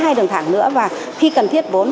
hai đường thẳng nữa và khi cần thiết vốn